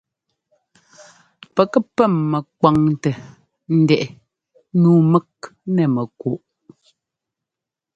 Pɛk pɛ́m mɛkwaŋtɛ ndɛꞌɛ nǔu mɛk nɛ mɛkuꞌ.